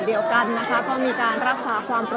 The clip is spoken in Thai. และที่อยู่ด้านหลังคุณยิ่งรักนะคะก็คือนางสาวคัตยาสวัสดีผลนะคะ